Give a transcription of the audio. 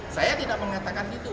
saya tidak mengatakan itu